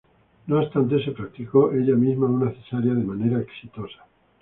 No obstante se practicó ella misma una cesárea de manera exitosa.